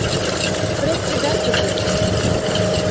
— Председатель дене.